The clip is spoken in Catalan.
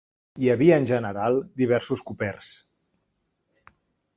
Hi havia en general diversos copers.